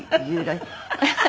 ハハハハ。